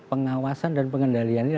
pengawasan dan pengendalian ini